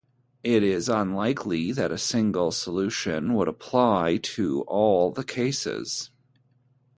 It is unlikely that a single solution would apply to all the cases.